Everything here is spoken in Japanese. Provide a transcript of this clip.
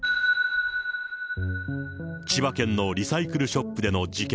千葉県のリサイクルショップでの事件